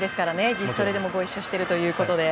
自主トレでもご一緒しているということで。